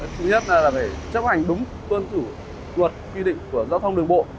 thứ nhất là phải chấp hành đúng quân chủ luật quy định của giao thông đường bộ